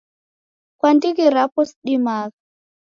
Kwa ndighi rapo sidimagha.